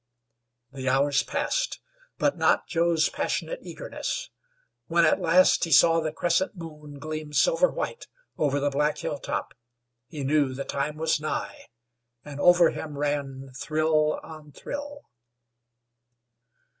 The hours passed, but not Joe's passionate eagerness. When at last he saw the crescent moon gleam silver white over the black hilltop he knew the time was nigh, and over him ran thrill on thrill.